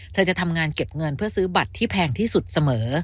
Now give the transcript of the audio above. เธอจะทำงานเก็บเงินเพื่อซื้อบัตรที่แพงที่สุดเสมอ